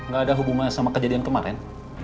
gak ada hubungan sama kejadian kemarin